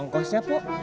engkau siap bu